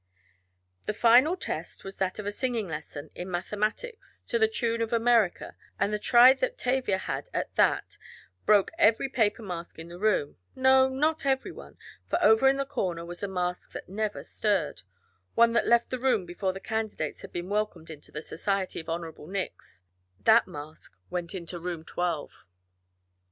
The final test was that of singing a lesson in mathematics to the tune of America, and the try that Tavia had at that broke every paper mask in the room no, not every one, for over in the corner was a mask that never stirred, one that left the room before the candidates had been welcomed into the society of honorable Nicks. That mask went into room twelve.